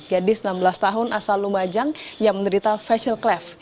gadis enam belas tahun asal lumajang yang menderita facial cleft